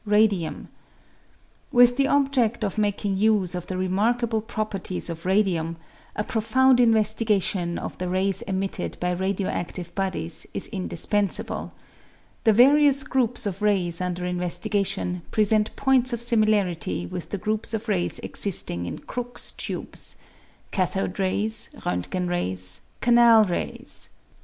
radium. With the object of making use of the remarkable properties of radium, a pro found investigation of the rays emitted by radio adlive bodies is indispensable ; the various groups of rays under investigation present points of similarity with the groups of rays existing in Crookes tubes : cathode rays, Rontgen rays, canal rays.